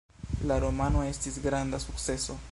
La romano estis granda sukceso.